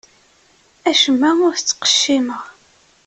Acemma ur t-ttqeccimeɣ.